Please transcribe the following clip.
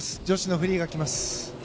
女子のフリーが来ます。